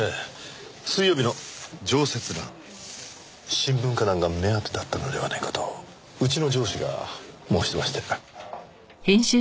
新聞歌壇が目当てだったのではないかとうちの上司が申しまして。